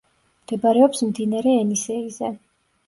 მდებარეობს მდინარე ენისეიზე.